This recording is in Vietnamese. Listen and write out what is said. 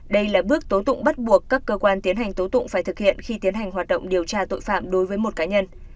đây là bước tố tụng bắt buộc các cơ quan tiến hành tố tụng phải thực hiện khi tiến hành hoạt động điều tra tội phạm đối với một cá nhân